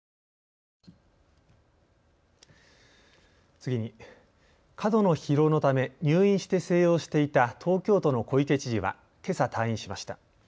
次に、過度の疲労のため入院して静養していた東京都の小池知事はけさ、退院しました。